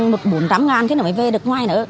mất bốn mươi tám ngàn cái này mới về được ngoài nữa